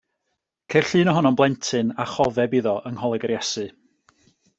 Ceir llun ohono'n blentyn a chofeb iddo yng Ngholeg yr Iesu.